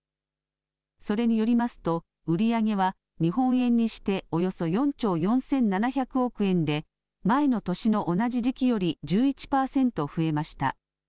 それによりますと売り上げは日本円にしておよそ４兆４７００億円で前の年の同じ時期より１１％増えました。